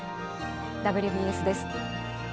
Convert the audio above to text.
「ＷＢＳ」です。